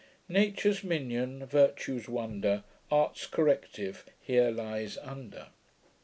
Nature's minion. Virtue's wonder, Art's corrective here lyes under.